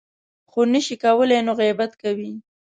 خو نه شي کولی نو غیبت کوي .